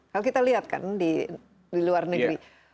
kalau kita lihat kan di luar negeri